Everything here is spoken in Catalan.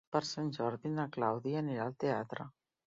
Per Sant Jordi na Clàudia anirà al teatre.